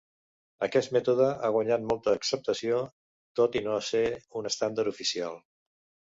Aquest mètode ha guanyat molta acceptació, tot i no ser un estàndard oficial.